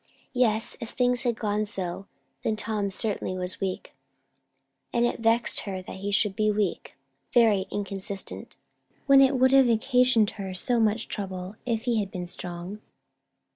Yes; if things had gone so, then Tom certainly was weak; and it vexed her that he should be weak. Very inconsistent, when it would have occasioned her so much trouble if he had been strong!